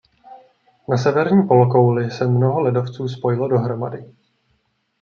Na severní polokouli se mnoho ledovců spojilo dohromady.